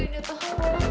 aduh apa ini tuh